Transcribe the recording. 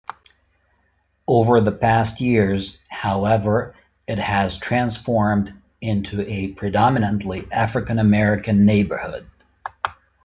Over the past years, however, it has transformed into a predominantly African American neighborhood.